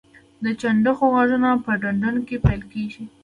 د چنډخو غږونه په ډنډونو کې پیل کیږي